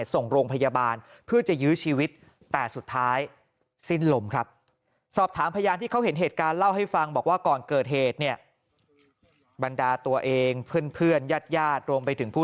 ส่งโรงพยาบาลเพื่อจะยื้อชีวิตแต่สุดท้ายสิ้นลมครับ